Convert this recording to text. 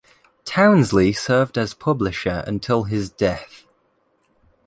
Townsley served as publisher until his death.